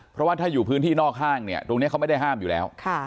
เพราะว่าถ้าอยู่พื้นที่นอกห้างเนี่ยตรงนี้เขาไม่ได้ห้ามอยู่แล้ว